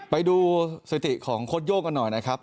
ไปดูสถิติของโค้ดโย่งกันหน่อยนะครับ